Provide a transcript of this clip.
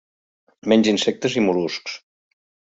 Menja insectes i mol·luscs.